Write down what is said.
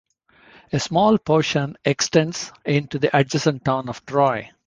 A small portion extends into the adjacent Town of Troy.